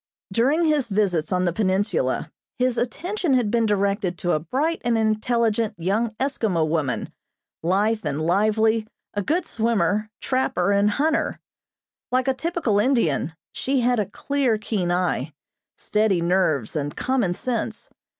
During his visits on the peninsula his attention had been directed to a bright and intelligent young Eskimo woman, lithe and lively, a good swimmer, trapper and hunter. Like a typical Indian, she had a clear, keen eye, steady nerves and common sense.